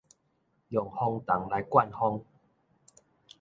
用風筒來灌風